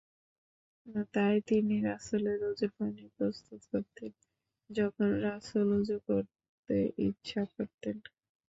তাই তিনি রাসূলের ওযূর পানি প্রস্তুত করতেন, যখন রাসূল ওযূ করতে ইচ্ছে করতেন।